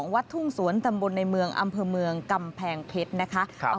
วัดทุ่งสวนตำบลในเมืองอำเภอเมืองกำแพงเพชรนะคะ